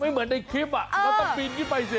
เหมือนในคลิปเราต้องปีนขึ้นไปสิ